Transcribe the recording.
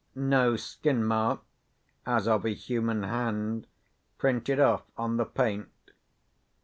No skin mark (as of a human hand) printed off on the paint.